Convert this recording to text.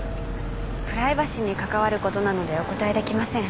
プライバシーに関わる事なのでお答えできません。